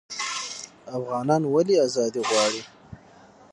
افغانان ولې ازادي غواړي؟